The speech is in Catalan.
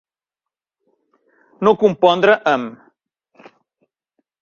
No compondre amb.